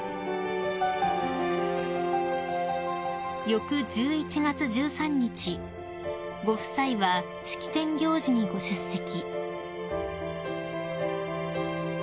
［翌１１月１３日ご夫妻は式典行事にご出席］